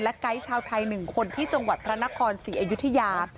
ไกด์ชาวไทย๑คนที่จังหวัดพระนครศรีอยุธยา